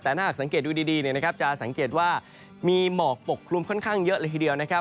แต่ถ้าหากสังเกตดูดีจะสังเกตว่ามีหมอกปกคลุมค่อนข้างเยอะเลยทีเดียวนะครับ